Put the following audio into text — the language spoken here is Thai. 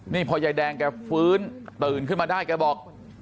นี่พอยายแดงแกฟื้นตื่นขึ้นมาได้แกบอก